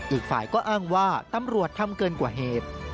อีกฝ่ายก็อ้างว่าตำรวจทำเกินกว่าเหตุ